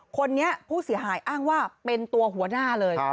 คนนี้ผู้เสียหายอ้างว่าเป็นตัวหัวหน้าเลย